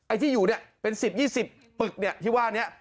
ที่อยู่เนี่ยเป็น๑๐๒๐ปึกเนี่ยที่ว่านี้